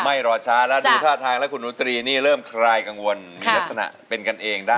ไม่รอช้าดูภาทางแล้วคุณรุตรีนี่เริ่มใคร่กังวลนิยสนะเป็นกันเองได้